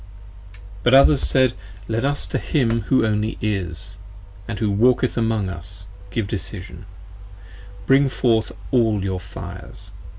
But others said: Let us to him who only Is, & who Walketh among us, give decision: bring forth all your fires!